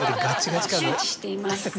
周知しています。